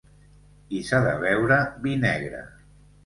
I s'ha de beure vi negre.